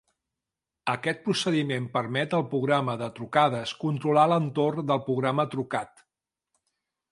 Aquest procediment permet al programa de trucades controlar l'entorn del programa trucat.